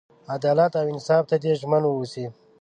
عدالت او انصاف ته دې ژمن ووسي.